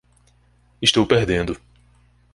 Estou perdendo.